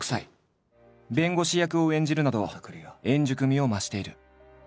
弁護士役を演じるなど円熟味を増している。